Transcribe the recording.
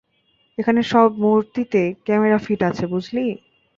এখানের সব মুর্তিতে camera fit আছে বুঝলি।